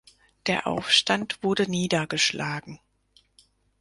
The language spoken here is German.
Der Aufstand wurde niedergeschlagen.